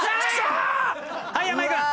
はい山井君。